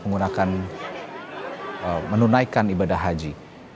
menggunakan menunaikan ibadah haji